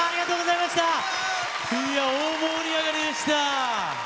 いやー、大盛り上がりでした。